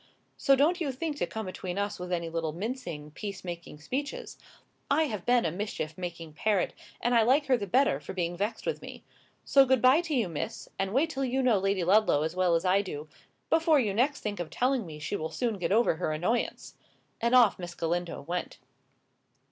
So don't you think to come between us with any little mincing, peace making speeches. I have been a mischief making parrot, and I like her the better for being vexed with me. So good bye to you, Miss; and wait till you know Lady Ludlow as well as I do, before you next think of telling me she will soon get over her annoyance!" And off Miss Galindo went.